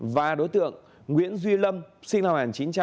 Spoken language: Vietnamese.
và đối tượng nguyễn duy lâm sinh năm một nghìn chín trăm tám mươi